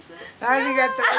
ありがとう。